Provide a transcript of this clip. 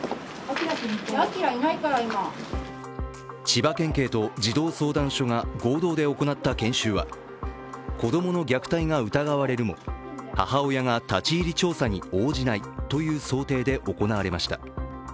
千葉県警と児童相談所が合同で行った研修は子供の虐待が疑われるも母親が立ち入り調査に応じないという想定で行われました。